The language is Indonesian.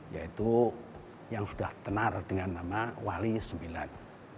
yaitu yang itu sudah tenar dengan nama wali sembilan